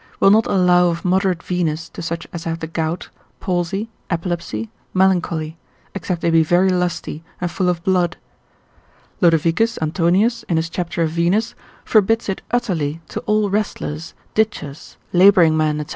will not allow of moderate Venus to such as have the gout, palsy, epilepsy, melancholy, except they be very lusty, and full of blood. Lodovicus Antonius lib. med. miscet. in his chapter of Venus, forbids it utterly to all wrestlers, ditchers, labouring men, &c.